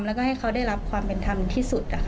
แล้วก็ให้เขาได้รับความเป็นธรรมที่สุด